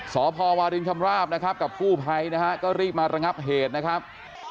สพวารินชำราบนะครับกับกู้ภัยนะฮะก็รีบมาระงับเหตุนะครับ